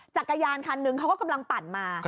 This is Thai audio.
จักรยานคันนึงเขาก็กำลังปั่นมา